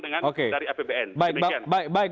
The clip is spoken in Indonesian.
dari apbn demikian baik baik baik